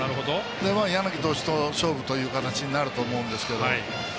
柳投手と、勝負という形になると思うんですけど。